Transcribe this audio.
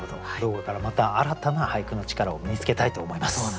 動画からまた新たな俳句の力を身につけたいと思います。